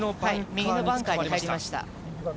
右のバンカーにつかまりました。